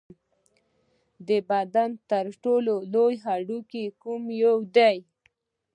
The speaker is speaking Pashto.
د بدن تر ټولو لوی هډوکی کوم یو دی